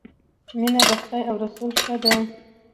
مینه د خدای او رسول ښه ده